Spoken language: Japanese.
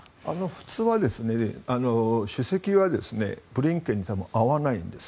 普通は主席はブリンケンとは会わないんです。